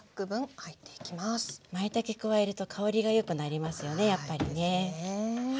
まいたけ加えると香りが良くなりますよねやっぱりね。